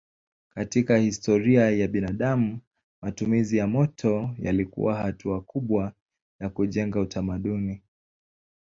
Katika historia ya binadamu matumizi ya moto yalikuwa hatua kubwa ya kujenga utamaduni.